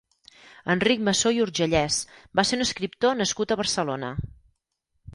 Enric Massó i Urgellès va ser un escriptor nascut a Barcelona.